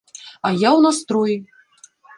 А я ў настроі!